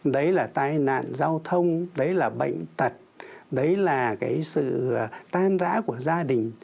đấy là tai nạn giao thông đấy là bệnh tật đấy là cái sự tan rã của gia đình